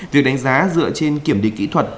việc đánh giá dựa trên kiểm định kỹ thuật